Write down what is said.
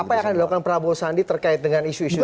apa yang akan dilakukan prabowo sandi terkait dengan isu isu